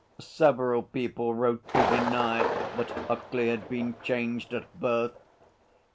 Several people wrote to deny that Huckley had been changed at birth.